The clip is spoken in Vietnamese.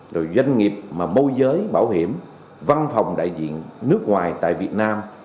rồi doanh nghiệp mà môi giới bảo hiểm văn phòng đại diện nước ngoài tại việt nam